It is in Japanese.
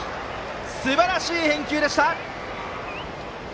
すばらしい返球でした。